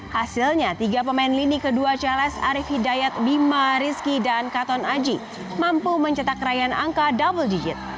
hasilnya tiga pemain lini kedua challes arief hidayat bima rizky dan katon aji mampu mencetak raihan angka double digit